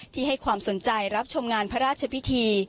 ให้ความสนใจรับชมงานพระราชพิธี